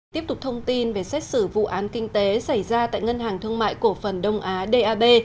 tiếp tục thông tin về xét xử vụ án kinh tế xảy ra tại ngân hàng thương mại cổ phần đông á dab